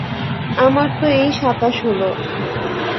আমার তো এই সাতাশ হল।